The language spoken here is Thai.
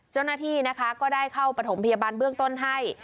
เจ้าหน้าที่นะคะก็ได้เข้าประถมพยาบาลเบื้องต้นให้